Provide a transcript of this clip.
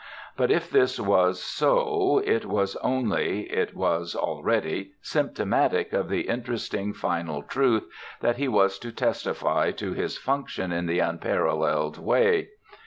but if this was so it was only, it was already, symptomatic of the interesting final truth that he was to testify to his function in the unparalleled way.